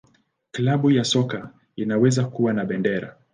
Klabu ya soka inaweza kuwa na bendera.